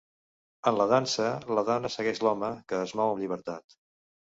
En la dansa, la dona segueix l'home, que es mou amb llibertat.